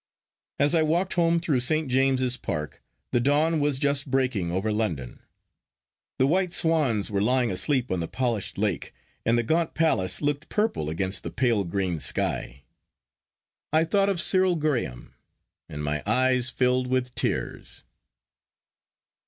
As I walked home through St. James's Park the dawn was just breaking over London. The white swans were lying asleep on the polished lake, and the gaunt Palace looked purple against the pale green sky. I thought of Cyril Graham, and my eyes filled with tears.